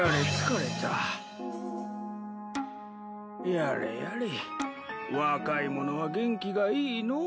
やれやれ若い者は元気がいいのう。